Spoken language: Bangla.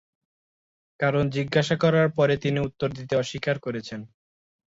কারণ জিজ্ঞাসা করার পরে, তিনি উত্তর দিতে অস্বীকার করেছেন।